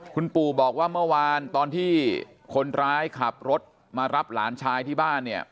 คุณปู่บอกว่าเมื่อวานตอนที่คนร้ายขับรถมารับหลานชายที่บ้านเนี่ย